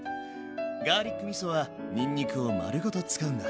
ガーリックみそはにんにくを丸ごと使うんだ。